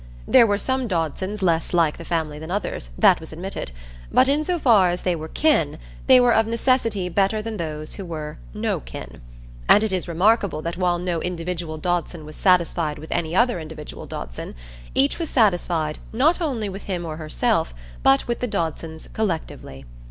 There were some Dodsons less like the family than others, that was admitted; but in so far as they were "kin," they were of necessity better than those who were "no kin." And it is remarkable that while no individual Dodson was satisfied with any other individual Dodson, each was satisfied, not only with him or herself, but with the Dodsons collectively.